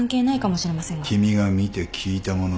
君が見て聞いたもの